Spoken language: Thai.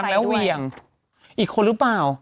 แล้วเหวี่ยงอีกคนหรือเปล่า